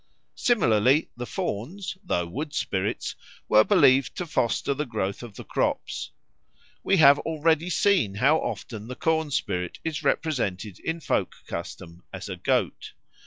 Similarly the Fauns, though wood spirits, were believed to foster the growth of the crops. We have already seen how often the corn spirit is represented in folk custom as a goat.